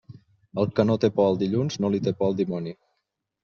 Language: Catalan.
El que no té por al dilluns, no li té por al dimoni.